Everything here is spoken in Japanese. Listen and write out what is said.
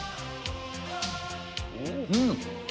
うん！